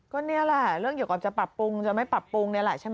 ก็นี่แหละเรื่องเกี่ยวกับจะปรับปรุงจะไม่ปรับปรุงนี่แหละใช่ไหม